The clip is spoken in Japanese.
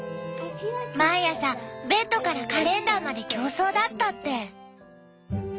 毎朝ベッドからカレンダーまで競争だったって。